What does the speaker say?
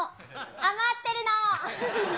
余ってるの。